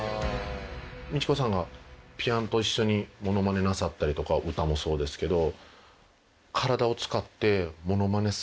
ミチコさんがピアノと一緒にモノマネなさったりとか歌もそうですけど。